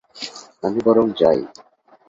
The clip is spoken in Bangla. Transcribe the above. আমি বরং যাই।